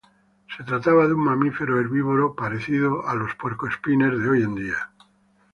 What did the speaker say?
Se trataba de un mamífero herbívoro parecido a los puercoespines de hoy en día.